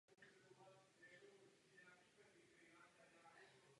V závěru lehce doprava po skalách k vrcholu.